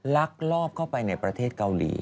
ลักลอบเข้าไปในประเทศเกาหลี